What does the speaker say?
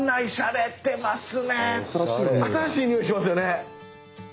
新しい匂いしますよね。